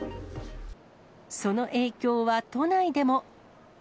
その影響は都内でも。